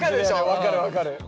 分かる分かる。